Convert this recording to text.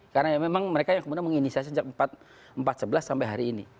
karena memang mereka yang kemudian menginisiasi sejak empat sebelas sampai hari ini